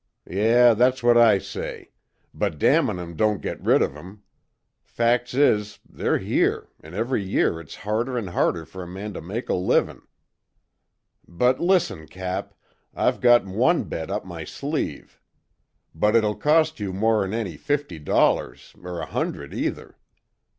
"Yeh, that's what I say. But damnin' 'em don't git red of 'em. Facts is, they're here, an' every year it's harder an' harder fer a man to make a livin'. But listen, Cap, I've got one bet up my sleeve. But it'll cost you more'n any fifty dollars er a hundred, either.